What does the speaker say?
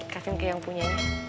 kasihin ke yang punya ya